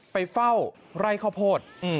ไปเฝ้าไร่ข้าวโพด